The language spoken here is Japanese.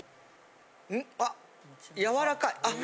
あやわらかい。